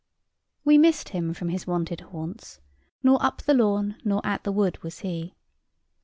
We missed him from his wonted haunts nor up the lawn, nor at the wood was he.